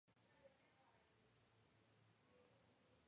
Esto se solucionó publicando un decimotercer tomo de índices.